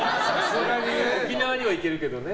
沖縄には行けるけどね。